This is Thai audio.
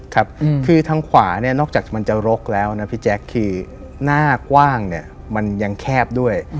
ครับคือทางขวาเนี่ยนอกจากมันจะรกแล้วนะพี่แจ๊คคือหน้ากว้างเนี่ยมันยังแคบด้วย